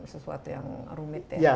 sesuatu yang rumit ya